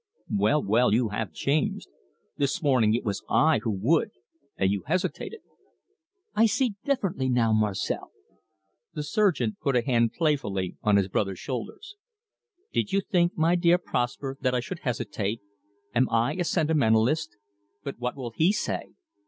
"Well, well, you have changed. This morning it was I who would, and you hesitated." "I see differently now, Marcel." The surgeon put a hand playfully on his brother's shoulder. "Did you think, my dear Prosper, that I should hesitate? Am I a sentimentalist? But what will he say?